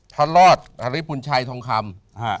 พระรอดฮริปุญชัยทองคำ